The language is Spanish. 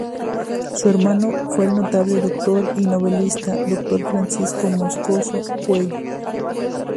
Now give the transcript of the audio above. Su hermano fue el notable doctor y novelista doctor Francisco Moscoso Puello.